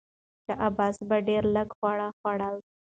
شاه عباس به ډېر لږ خواړه خوړل.